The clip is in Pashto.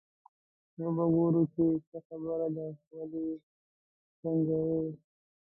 وبه ګورو چې څه خبره ده ولې یې ډنګوي.